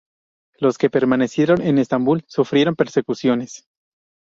Los que permanecieron en Estambul sufrieron persecuciones.